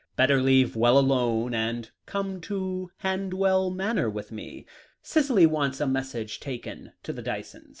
Better leave well alone and come up to Handwell Manor with me. Cicely wants a message taken to the Dysons."